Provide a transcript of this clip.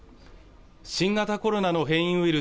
新型コロナの変異ウイル